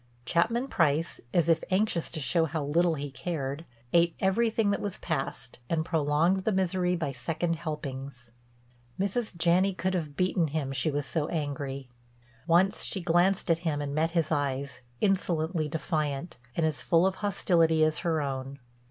Chapman Price, as if anxious to show how little he cared, ate everything that was passed, and prolonged the misery by second helpings. Mrs. Janney could have beaten him, she was so angry. Once she glanced at him and met his eyes, insolently defiant, and as full of hostility as her own.